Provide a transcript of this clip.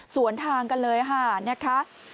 สวนทางกันเลยค่ะ